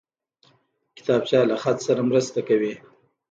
کتابچه له خط سره مرسته کوي